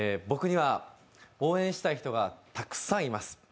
僕には応援したい人がたくさんいます。